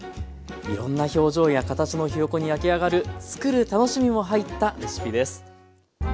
いろんな表情や形のひよこに焼き上がるつくる楽しみも入ったレシピです。